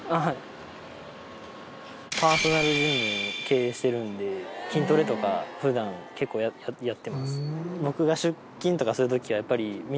パーソナルジムを経営してるので筋トレとか普段結構やってます。